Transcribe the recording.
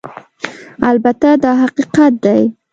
البته دا حقیقت دی